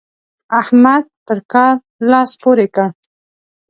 احمد پر کار لاس پورې کړ.